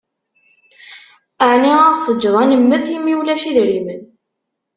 Ɛni ad ɣ-teǧǧeḍ an-nemmet imi ulac idrimen?